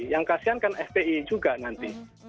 yang kasihan kan fpi juga nanti